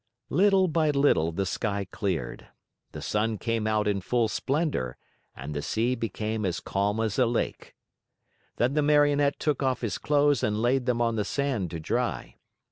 Little by little the sky cleared. The sun came out in full splendor and the sea became as calm as a lake. Then the Marionette took off his clothes and laid them on the sand to dry.